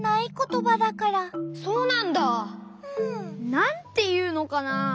なんていうのかな。